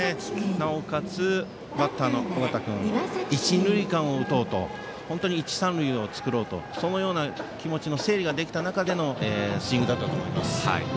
なおかつバッターの尾形君一、二塁間を打とうとそして一、三塁を作ろうとそのような気持ちの整理ができた中でのスイングだったと思います。